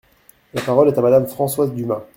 La parole est à Madame Françoise Dumas.